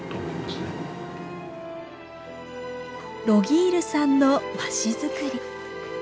ロギールさんの和紙作り。